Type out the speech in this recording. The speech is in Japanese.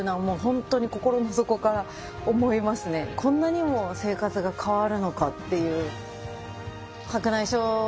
こんなにも生活が変わるのかっていう。